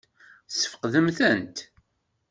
Tesfeqdem-tent?